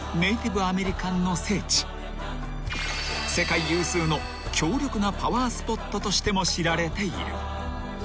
［世界有数の強力なパワースポットとしても知られている］